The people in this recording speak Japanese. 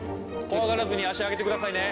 怖がらずに足上げてくださいね。